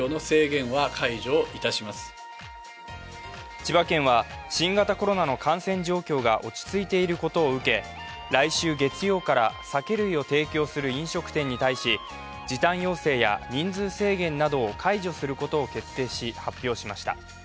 千葉県は新型コロナの感染状況が落ち着いていることを受け、来週月曜から酒類を提供する飲食店に対し時短要請や人数制限などを解除することを決定し、発表しました。